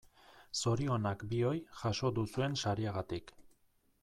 Zorionak bioi jaso duzuen sariagatik.